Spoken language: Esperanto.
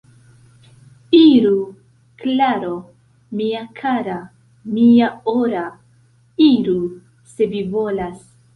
Iru, Klaro, mia kara, mia ora, iru, se vi volas.